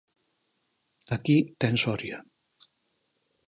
Aquí ten Soria.